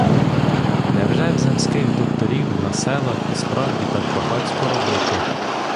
Невже в земських докторів на селах і справді так багацько роботи?